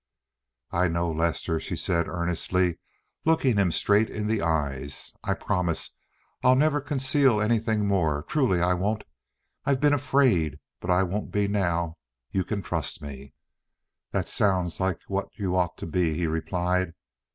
"I know, Lester," she said earnestly, looking him straight in the eyes. "I promise I'll never conceal anything any more—truly I won't. I've been afraid, but I won't be now. You can trust me." "That sounds like what you ought to be," he replied.